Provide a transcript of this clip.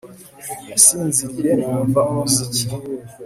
Nasinziriye numva umuziki